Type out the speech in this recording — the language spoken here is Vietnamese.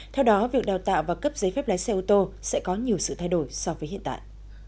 theo đó việc đào tạo và cấp giấy phép lái xe ô tô sẽ có nhiều sự thay đổi so với hiện tại